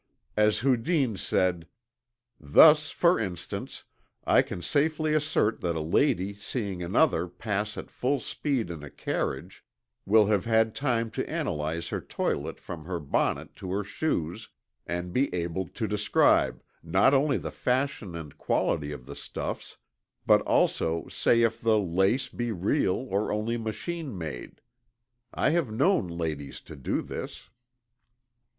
As Houdin said: "Thus, for instance, I can safely assert that a lady seeing another pass at full speed in a carriage will have had time to analyze her toilette from her bonnet to her shoes, and be able to describe not only the fashion and quality of the stuffs, but also say if the lace be real or only machine made. I have known ladies to do this."